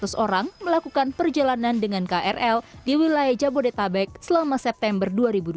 lebih dari delapan ratus orang melakukan perjalanan dengan krl di wilayah jabodetabek selama september dua ribu dua puluh satu